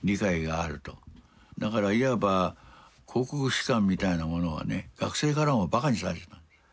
だからいわば「皇国史観」みたいなものはね学生からもバカにされてたんです。